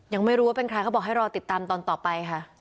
ยังไม่รู้ว่าเป็นใครเขาบอกให้รอติดตามตอนต่อไปค่ะ